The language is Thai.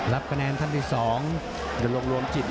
รับคะแนนท่านที่๒